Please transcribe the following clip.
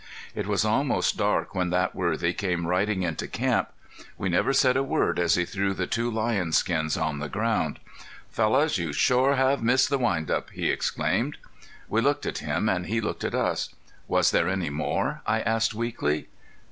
It was almost dark when that worthy came riding into camp. We never said a word as he threw the two lion skins on the ground. "Fellows, you shore have missed the wind up!" he exclaimed. We all looked at him and he looked at us. "Was there any more?" I asked weakly.